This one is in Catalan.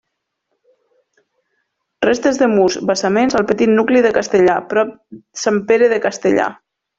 Restes de murs, basaments, al petit nucli de Castellar, prop Sant Pere de Castellar.